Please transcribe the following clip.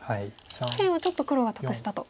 下辺はちょっと黒が得したと。